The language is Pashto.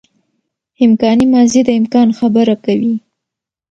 امکاني ماضي د امکان خبره کوي.